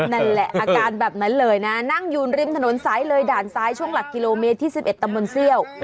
นั่นแหละอาการแบบนั้นเลยนะนั่งอยู่ริมถนนซ้ายเลยด่านซ้ายช่วงหลักกิโลเมตรที่๑๑ตำบลเซี่ยว